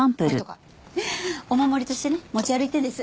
お守りとしてね持ち歩いてるんです。